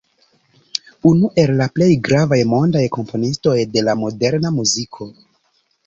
Unu el plej gravaj mondaj komponistoj de la moderna muziko.